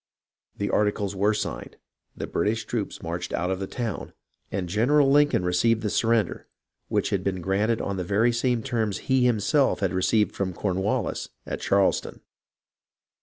The articles were signed, the British troops marched out of the town, and General Lincoln received the surrender which had been granted on the very same terms he himself had received from Cornwallis at Charleston.